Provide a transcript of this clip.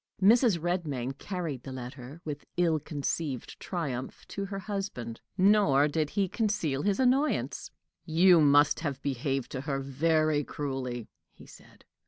Mrs. Redmain carried the letter, with ill concealed triumph, to her husband; nor did he conceal his annoyance. "You must have behaved to her very cruelly," he said.